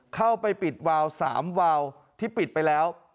เข้าไปปิดวาว๓วาวที่ปิดไปแล้ว